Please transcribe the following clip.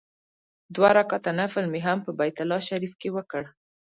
دوه رکعاته نفل مې هم په بیت الله شریفه کې وکړ.